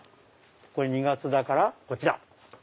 これ２月だからこっちだ。